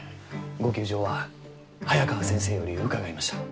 ご窮状は早川先生より伺いました。